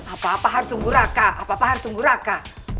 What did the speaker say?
apa apa harus sungguh raka apa apa harus sungguh raka